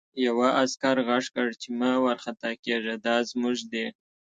یوه عسکر غږ کړ چې مه وارخطا کېږه دا زموږ دي